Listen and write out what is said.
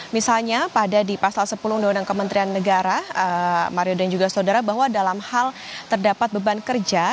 misalnya pada di pasal sepuluh undang undang kementerian negara mario dan juga saudara bahwa dalam hal terdapat beban kerja